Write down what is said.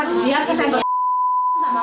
dia ke senggel